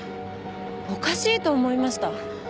おかしいと思いました。